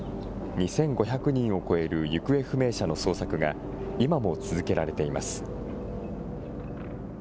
２５００人を超える行方不明者の捜索が、今も続けられています。